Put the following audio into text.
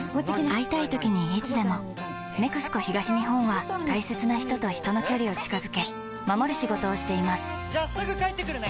会いたいときにいつでも「ＮＥＸＣＯ東日本」は大切な人と人の距離を近づけ守る仕事をしていますじゃあすぐ帰ってくるね！